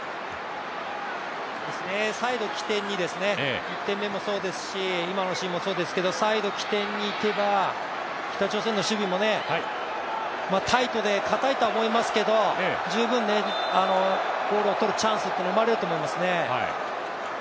サイドを起点に、１点目もそうですし、今のシーンもそうですけれどもサイドを起点にいけば、北朝鮮の守備もタイトで堅いとは思いますけど十分ボールをとるチャンスというのは生まれると思いますね。